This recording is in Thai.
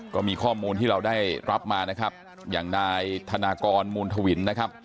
ก็มีข้อมูลที่เราได้รับมานะครับอย่างนายธนากรมูลธวินนะครับ